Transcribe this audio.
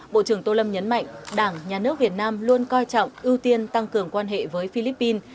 bộ trưởng tô lâm nhấn mạnh đảng nhà nước việt nam luôn coi trọng ưu tiên tăng cường quan hệ với philippines